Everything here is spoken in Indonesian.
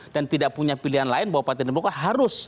dan tidak punya pilihan lain bahwa partai demokrat harus